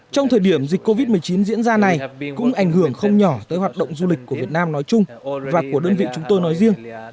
trong thời điểm dịch covid một mươi chín diễn ra này cũng ảnh hưởng không nhỏ tới hoạt động du lịch của việt nam nói chung và của đơn vị chúng tôi nói riêng